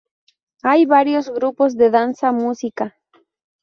Hay varios grupos de danza, música.